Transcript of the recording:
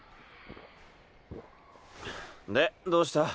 でどうした？